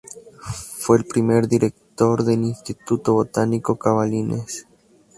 Fue el primer director del Instituto Botánico Cavanilles.